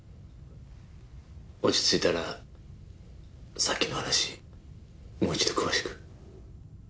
落ち着いたらさっきの話もう一度詳しく。